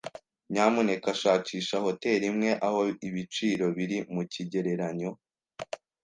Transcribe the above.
Nyamuneka shakisha hoteri imwe aho ibiciro biri mukigereranyo.